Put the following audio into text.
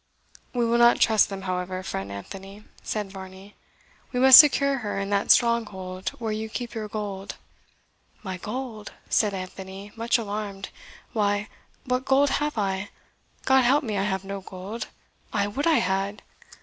"We will not trust them, however, friend Anthony," said Varney; "We must secure her in that stronghold where you keep your gold." "My gold!" said Anthony, much alarmed; "why, what gold have I? God help me, I have no gold I would I had!"